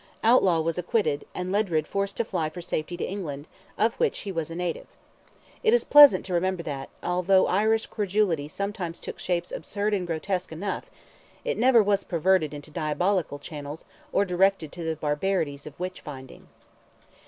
Outlaw was acquitted, and Ledred forced to fly for safety to England, of which he was a native. It is pleasant to remember that, although Irish credulity sometimes took shapes absurd and grotesque enough, it never was perverted into diabolical channels, or directed to the barbarities of witch finding.